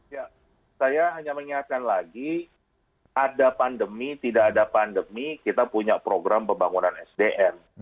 ya saya hanya mengingatkan lagi ada pandemi tidak ada pandemi kita punya program pembangunan sdm